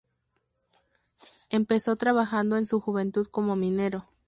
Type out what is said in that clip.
Empezó trabajando en su juventud como minero.